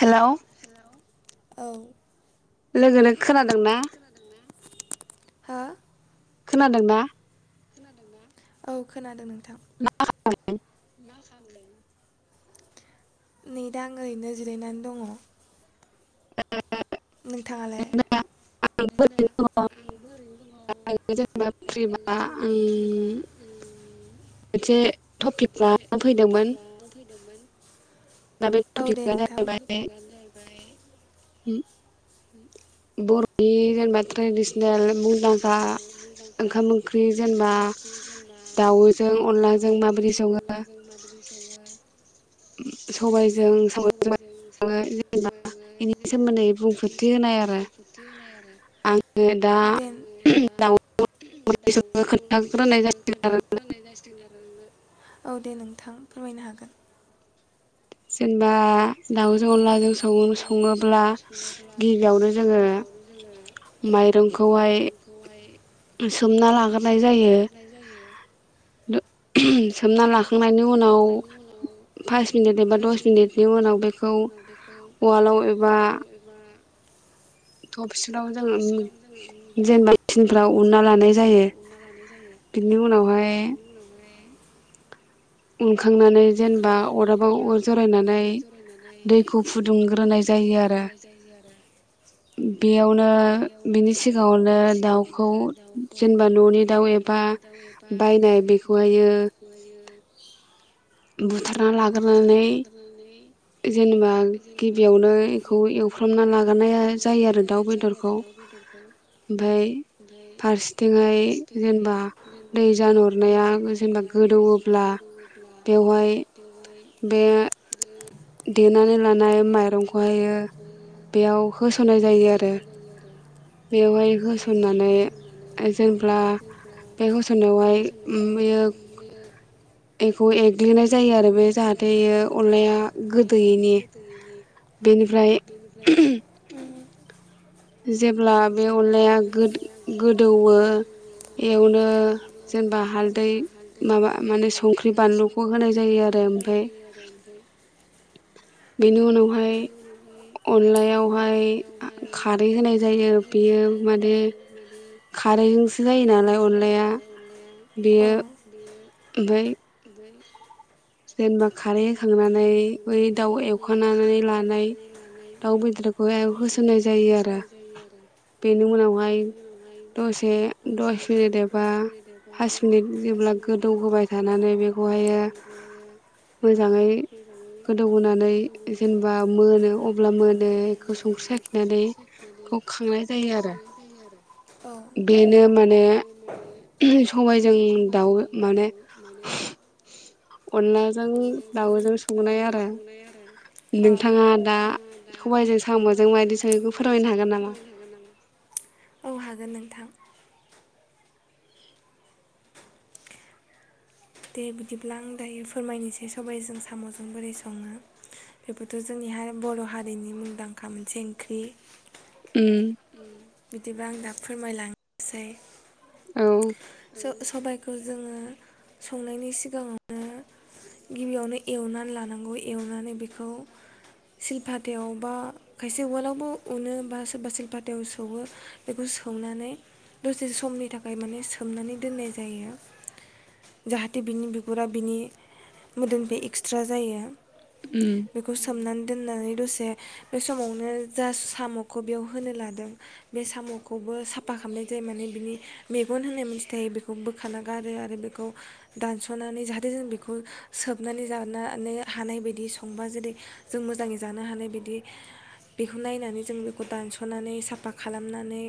हेल' औ लोगो नों खोनादोंना? हो खोनादोंना? औ खोनादों नों थां नै दा आं ओरैनो जिरायनानै दङ। नोंथाङालाय? मोनसे टपिक लाना फैदोंमोन। औ दे नोंथां। [inaudible] बर बे जेनेबा ट्रेडिसनेल मुंदांखा ओंखाम ओंख्रि जेनेबा दावजों अनलाजों माबायदि सङो? [unintelligible] [unintelligible] औ दे नोंथां फोरमायनो हागोन। जोन बा दाउजों अनलाजों सङो सङोब्ला गिबियावनो जोङो माइरंखौहाय सोमना लाग्रोनाय जायो। सोमना लाखांनायनि उनाव फास मिनिट एबा दस मिनिटनि उनाव बेखौ उवालाव एबा थ' बिसोराव जोङो जेनेबा [unintelligible] उनना लानाय जायो बिनि उनावहाय उम खांनानै जेनेबा अदाबाव अर जरायनानै दैखौ फुदुंग्रोनाय जायो आरो बेयाव ब्ला बिनि सिगाङावनो दाउखौ जेनेबा न'नि दाउ एबा बायनाय बेखौहायो बुथोरना लाग्रोनानै जेनेबा गिबियावनो बेखौ एवफ्रमना लाग्रोनाय जायो आरो दाउ बेदरखौ ओमफ्राय फारसेथिं जेनेबा दै जानहरनाया जेनेबा गोदौओब्ला [unintelligible] बे देनानै लानाय माइरंखौहायो बेयाव होसननाय जायो आरो बेयावहाय होस'न्नानै जेनब्ला बे होसननायावहाय उम बेयो एखौ एग्लिनाय जायो आ आरो बे जाहाथे इयो अनलाया गोदोयैनि बेनिफ्राय जेब्ला बे अनलाया गोदौओ एवो जेनबा हालदै माबा माने संख्रि बानलुखौ होनाय जायो आरो ओमफ्राय बेनि उनावहाय अनलायावहाय खारै होनाय जायो बेयो माने खारैजोंसो जायो नालाय अनलाया बेयो ओमफाय जेनेबा खारै होखांनानै बै दाउ एवखां नानै लानाय दाउ बेदरखौहाय होसोनाय जायो आरो बेनि उनावहाय दसे दस मिनिट एबा फास मिनिट जेब्ला गोदौ होबाय थानानै बेखौहाय मोजाङै गोदौ होनोनानै जेनेबा मोनो अब्ला मोनो बेखौ संख्रि आखिनानै बेखौ खांनाय जायो आरो बेनो माने। समाय जों दाउ माने। अनलाजों दाउजों संनाय आरो औ नोंथाङा दा मबाइजों साम'जों बायदिसैखौ फोरमायनो हागोन नामा औ हागोन नों। गोथां। दे बिदिब्ला आं दायो फोरमायनोसै सबाइजों साम'जों बोरै सङो बेबोथ' जोंनि ह बर' हारिनि मुंदांखा मोनसे ओंख्रि। बिदिबा आं दा। फोरमायलांनोसै। औ। सबायखौ जोङो संनायनि सिगाङावनो गिबियावनो एवनानै लानांगौ एवनानै बेखौ सिलपाथायाव बा खायसे उवालावबो उनो बा सोरबा सिल्पाताव सौवो बेखौ सौनानै दसे समनि थाखाय माने। सोमनानै दोननाय जायो जाहाथे बिनि बिगुरा बिनि मोदोमफ्राय एक्सट्रा जायो। बेखौ सोमनानै। दोननानै दसे बे समावनो जा साम'खौ बेयाव होनो लादों बे साम'खौबो साफा खालामनाय जायो माने बिनि मेगन होनाय। खौ बोखा गारो आरो बेखौ दानसनानै जाहाथे जों बेखौ सोबनानै ज हानाय बायदि संबा जेरै जों मोजाङै जानो हानाय बायदि बेखौ नायनानै जों बेखौ दानस'नानै साफा खालामनानै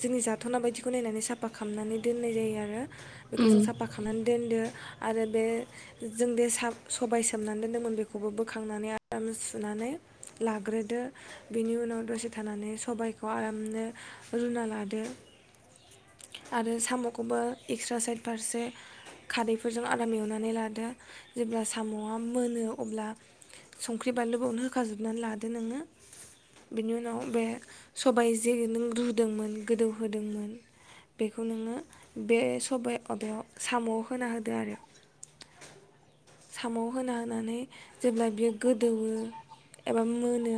जोंनि जाथ'ना बायदिखौ नायनानै साफा खालामनानै। दोननाय जायो आरो। बेखौ जों साफा खानानै। दोनदो आरो बे जों दे सबाय सोमनानै दोन्दोंमोन बेखौबो बोखांनानै आराम सुनानै लाग्रोदो बेनि उनाव दसे थानानै सबायखौ आरामनो रुना लादो आरो। साम'खौबो एक्सट्रा साइद फारसे खादैफोरजों आराम एवनानै लादो जेब्ला साम'आ मोनो अब्ला संख्रि बानलु बावनो होखाजोबनानै लादो नोङो बिनि उनाव बे सबायाइ जे नों रुदोंमोन गोदौहोदोंमोन बेखौ नोङो। बे सबाइ अदायाव साम'आव होना होदो आरो साम' होना होनानै जेब्ला बियो गोदौो एबा मोनो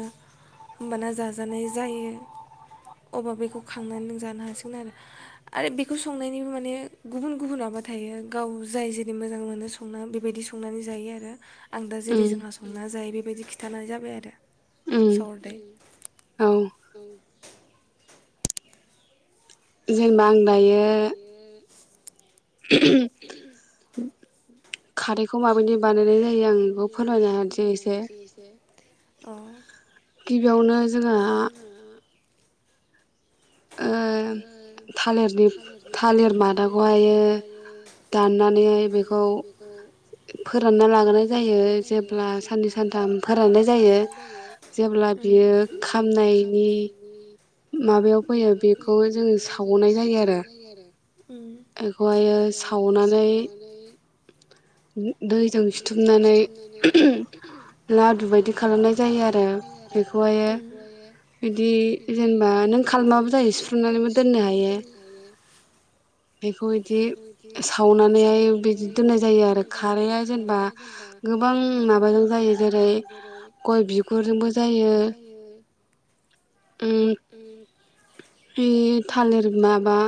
होमबाना जाजानाय जायो अबा बेखौ खांनानै नों जानो हासिगोन आरो आरो बे। बेखौ संनायनिबो माने गुबुन गुबुन माबा थायो गाव जाय जेरै मोजां मोनो संना बेबायदि संनानै जायो आरो। आं दा जेरै जोंहा संना जायो बेबायदि। थानाय जाबाय आरो। [unintelligible] जेनेबा आं दायो। [inaudible] खारैखौ माबै बानायनाय जायो आं बेखौ फोरोनानोसै एसे गिबियावनो जोंहा। थालिरनि थालिर मादाखौहाय दाननानैह बेखौ फोरानना लागोनाय जायो जेब्ला साननै सानथाम फोराननाय जायो जेब्ला बियो खामनायनि। माबायाव फैयो बेखौ जोङ सावनाय जायो आरो। बेखौहायो सावनानै। दैजों सिुथुमनानै लादु बायदि खालामनाय जायो आरो ओमायो बिदि जों मानानै खालामबाबो जायो सिुफ्रुमनानैबो दोननो हायो बेखौ बिदि सावनानैहाय बिदि दोननाय जायो आरो खाराया जेनेबा गोबां माबाजों जायो जेरै गय बिगुरजोंबो जायो ओं इ थालिर माबा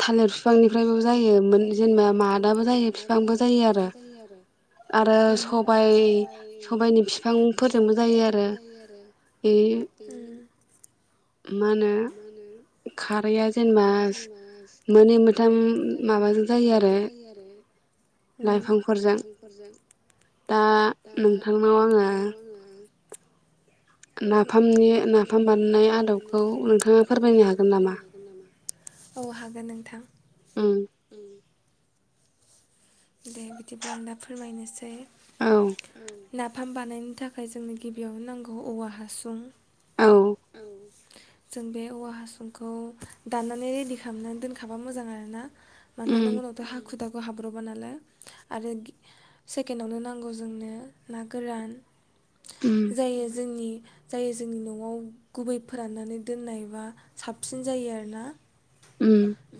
थालिर बिफांनिफ्रायबो जायो जेनेबा मादाबो जायो बिफांबो जायो आरो आरो सबाइ सबाइनि बिफांफोरजोंबो जायो आरो बे मा होनो खाराया जेनेबा मोनै मोनथाम माबाजों जायो आरो लाइफांफोरजों दा नोंथांनाव आङो नाफामनि नाफाम बानायनाय आदबखौ नोंथाङा फोरमायनो हागोन नामा? औ हागोन नोंथां। उम दे बिदिब्ला आं दा फोरमायनोसै ओम नाफाम बानायनो थाखाय जोंनो गिबियावनो नांगौ औवा हासुं औ जों बे औवा हासुंखौ दाननानै रेडि खालामनानै दोनखाबा मोजां आरोना मानोना नों उनावथ' हाखु दा खु हाब्रब आनालाय आरो गि सेकेणडआवनो नांगौ जोंनो ना गोरान जायो जोंनि जायो जोंनि न'आव गुबै फोराननानै दोननायबा साबसिन जायो आरोना।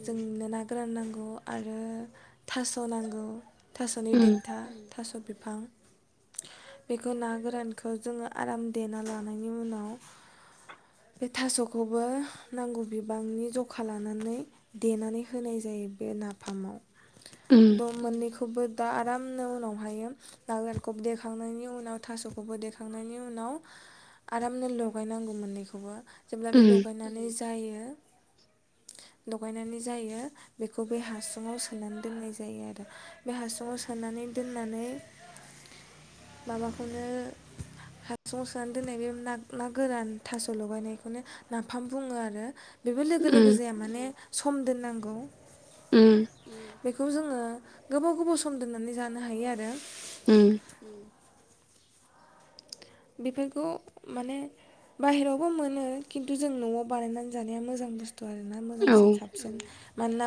जोंनो ना गोरान नांगौ आरो थास' नांगौ थास'नि देन्था थास' बिफ फां बेखौ ना गोरानखौ जोङो आराम देना लानायनि उनाव बे थास'खौबो नांगौ बिबांनि जखा लानानै देनानै होनाय जायो बे नाफामाव द' मोननैखौ खौबो दा आरामनो उनावहायो ना गोरानखौ देखांनायनि उनाव थास'खौबो देखांनायनि उनाव आरामनो लगायनांगौ मोननैखौबो जेब्ला बे लगायनानै जायो लगायनानै जायो बेखौ बे हासुङाव सोनानै दोननाय जायो आरो बे हासुङाव सोनानै दोननानै माबाखौनो हासुङाव सोनानै दोननाय बे ना ना गोरान थास' लगायनायखौनो नाफाम बुङो आरो बेबो लोगो लोगो जाया माने सम दोननांगौ ओम बेखौ जोङो। ङो गोबाव गोबाव सम दोननानै जानो हायो आरो। उम। बेफोरखौ माने बाहेरायावबो मोनो खिन्थु जों न आव बानायनानै जानाया मोजां बुस्थु आरोना मोजांसिन साबसिन मानोना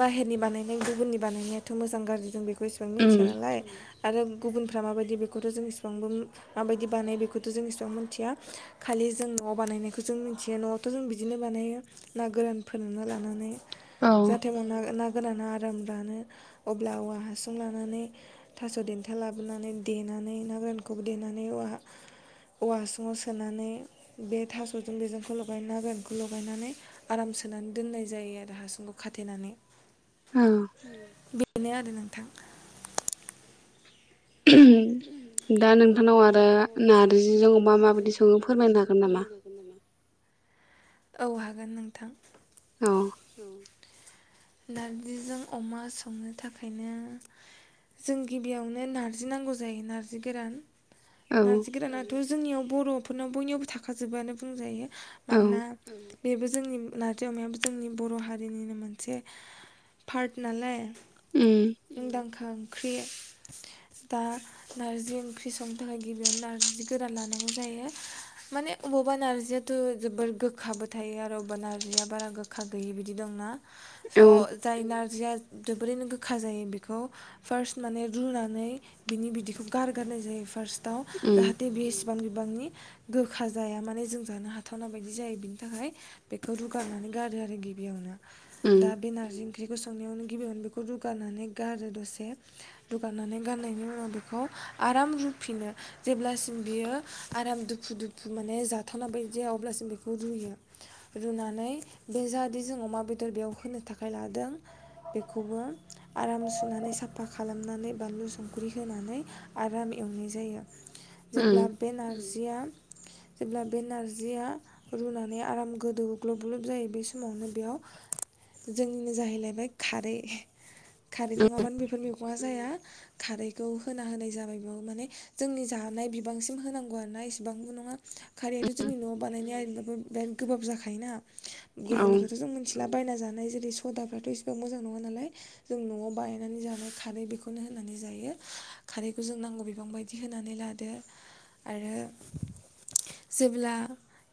बाहेरनि बानायनाय गुबुननि बानायनायाथ मोजां गाज्रि जों बेखौ बेसेबां मिथिया नालाय आरो गुबुनफ्रा माबायदि बेखौथ जों इसेबांबो माबायदि बानायो बेखौथ जों इसिबां मिथिया खालि जों नआव बानायनायखौ जों मिथियो नआव थ जों बिदिनो बानायो ना गोरानफोरोनो लानानै जाहाथे मोन न ना गोराना आराम दानो अब्ला औवा हासुं लानानै थास देन्था लाबोनानै देनानै ना गोरानखौबो देनानै औवा औवा हासुङाव सोनानै बे थासजों बेजोंखौ लगाय ना गानखौ लगायनानै आराम सोनानै दोननाय जायो आरो हासुंखौ खाथेनानै। औ। बेनो आरो नोंथां। दा नोंथांनाव आरो नारजिजों मा माबायदि सङो फोरमायनो हागोन नामा? औ हागोन नोंथां। औ नारजिजों अमा संनो थाखायनो जों गिबियावनो नारजि नांगौ जायो नारजि गोरान। नारजि गोरानाथ जो जोंनियाव बर फोरनाव बयनियावबो थाखाजोबो अनो बुंजायो। मानोना बेबो जोंनि नारजि अमायाबो जोंनि बर हारिनिनो मोनसे पार्ट नालाय उम। गो ओंख्रि दा नारजि ओंख्रि संनो थाखाय गिबियावनो नार्जि गोरान लानांगौ जायो माने अबावबा नार्जियाथ जोबोर गोखाबो थायो आरो अबेबा नार्जिया बारा गोखा खा गैयि बिदि दंना स जाय नार जिया जोबोरैनो गोखा जायो बेखौ फार्स्ट माने रुनानै बिनि बिदैखौ गारगारनाय जायो फार्स्ट जाहाथे बे एस गोबां बिबांनि गोखा जाया माने जों जानो हाथावना बायदि जायो बिनि थाखाय बेखौ रुगारनानै। गारो आरो गिबियावनो दा बे नारजि ओंख्रिखौ संनायावनो गिबियावनो बेखौ रुगारनानै गारो दसे रुगारनानै गारनायनि उनाव बेखौ आराम रुफिनो जेब्लासिम बियो आराम दुफु दुफु माने जाथावना बायदि जाया अब्लासिम बेखौ रुयो रुनानै बे जाहादे जों अमा बेदर बेयाव होनो थाखाय लादों बेखौबो आराम सुनानै साफा खालामनानै बानलु संख्रि होनानै आराम एवनाय जायो। जेब्ला बे नारजि नारजिआ जेब्ला नारजिआ रुनानै आराम गोदौओ ग्लब ग्लब जायो बे समावनो बेयाव जोंनिनो जाहैलायबाय खारै खारै नङाबानो बेफोर मैगङा जाया खारैखौ होना होनाय जाबाय बेयाव माने जोंनि जानाय बिबांसिम होनांगौ आरोना इसेबांबो नङा खारैयाथ' जोंनि न'आव बानायनाया ओरैनोबाबो बिराद गोबाब जाखायोना गुबुननिखौथ' जों मिथिलाबायना जानाय जेरै सदाफोराथ' एसेबां मोजां नङा नालाय जों न'आव बानायनानै जानाय खारै बेखौनो होनानै जायो, खारैखौ जों नांगौ बिबांबायदि होनानै लादो आरो जेब्ला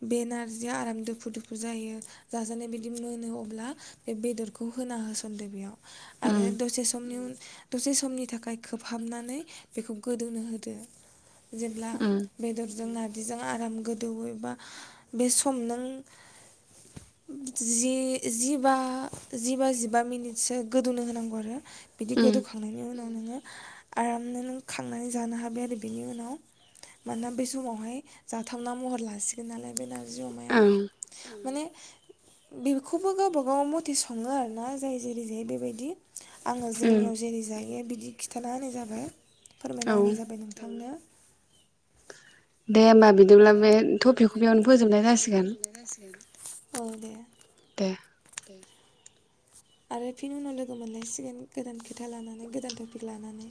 बे नारजिया आराम दोफु दोफु जायो जाजानाय बादि मोनो अब्ला बे बेदरखौ होना होसनदो बेयाव आरो दसे समनि उन दसे समनि थाखाय खोबहाबनानै बेखौ गोदौनो होदो जेब्ला बेदरजों नार बेजों आराम गोदौयो एबा बे सम नों जि जिबा जिबा जिबा मिनिटसो गोदौनो होनांगौ आरो बिदि गोदौखांनायनि उनाव नोङो आरामनो नों खांनानै जानो हाबाय आरो बेनि उनाव मानोना बे समावहाय जाथावना महर लासिगोन नालाय जि अमाया माने बेखौबो गावबागाव मथे सङो आरोना जाय जेरै जायो बेबायदि आङो जोंनियाव जेरै जायो बिदि खिथाना होनाय जाबाय फोरमायना होनाय जाबाय नोंथांनो दे होमबा बिदिब्ला बे थटपिकखौ बेयावनो फोजोबनाय जासिगोन औ दे दै आरो फिनि उनाव लोगो मोनलायसिगोन गोदान खोथा लानानै गोदान टपिक लानानै